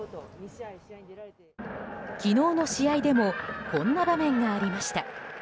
昨日の試合でもこんな場面がありました。